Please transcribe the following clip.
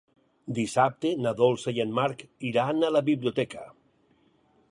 Dissabte na Dolça i en Marc iran a la biblioteca.